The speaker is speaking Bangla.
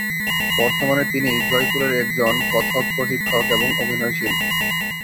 বর্তমানে তিনি জয়পুরের একজন কত্থক প্রশিক্ষক এবং অভিনয়শিল্পী।